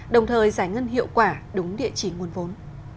đồng thời giải ngân hiệu quả đúng địa chỉ nguồn vốn